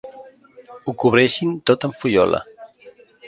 Ho cobreixin tot amb fullola.